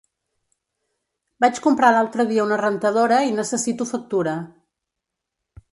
Vaig comprar l'altre dia una rentadora i necessito factura.